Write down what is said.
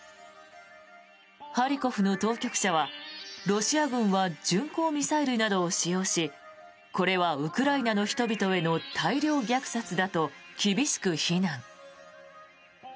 ハリコフの当局者はロシア軍は巡航ミサイルなどを使用しこれはウクライナの人々への大量虐殺だと厳しく非難。